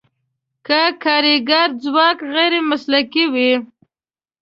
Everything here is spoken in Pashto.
که کارګري ځواک غیر مسلکي وي.